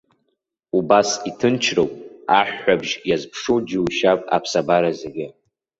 Убас иҭынчроуп, аҳәҳәабжь иазԥшу џьушьап аԥсабара зегьы.